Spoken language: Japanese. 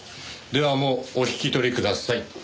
ではもうお引き取りください。